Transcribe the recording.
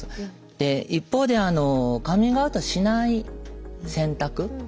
で一方でカミングアウトしない選択